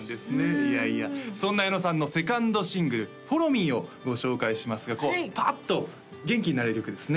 いやいやそんな矢野さんの２ｎｄシングル「Ｆｏｌｌｏｗｍｅ！」をご紹介しますがこうパッと元気になれる曲ですね